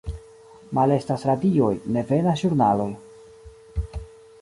Malestas radioj, ne venas ĵurnaloj.